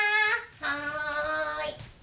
はい。